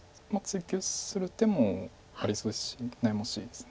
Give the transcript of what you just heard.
追及する手もありそうですし悩ましいです。